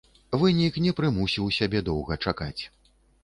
Вынік не прымусіў сябе доўга чакаць.